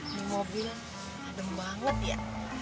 di mobil adem banget ya